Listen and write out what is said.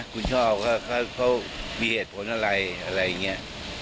คุณช่อว่าเขามีเหตุผลอะไรอะไรอย่างนี้